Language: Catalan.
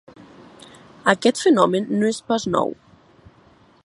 Aquest fenomen no és pas nou.